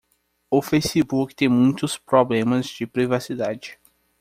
O Facebook tem muitos problemas de privacidade.